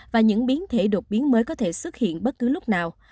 và những biến thể đột biến mới có thể xuất hiện bất cứ lúc nào